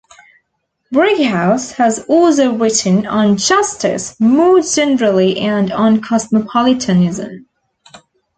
Brighouse has also written on justice more generally and on cosmopolitanism.